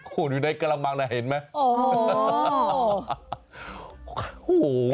โหดูในกะละมังนะเห็นไหม